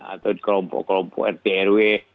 atau di kelompok kelompok rtrw